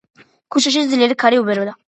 ქუჩაში ძლიერი ქარი უბერავდა.